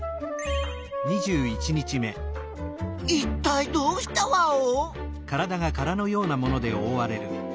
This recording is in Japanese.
いったいどうしたワオ？